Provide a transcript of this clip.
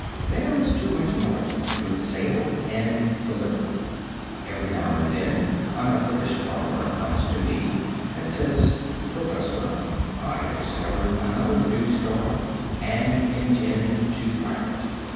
There is too much margin between sale and delivery. Every now and then another astronomer comes to me and says: "Professor, I have discovered another new star and intend to file it.